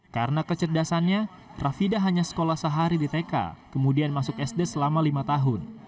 karena kecerdasannya rafida hanya sekolah sehari di tk kemudian masuk sd selama lima tahun